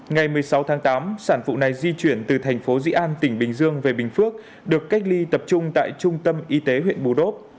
ngày sáu tháng tám sản phụ này di chuyển từ thành phố dĩ an tỉnh bình dương về bình phước được cách ly tập trung tại trung tâm y tế huyện bù đốt